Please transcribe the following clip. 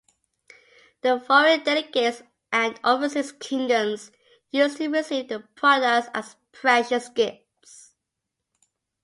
The foreign delegates and overseas kingdoms used to receive the products as precious gifts.